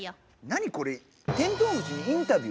何これ？